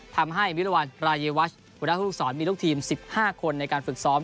ทำให้มิรวรรณรายวัชหัวหน้าภูมิสอนมีลูกทีม๑๕คนในการฝึกซ้อม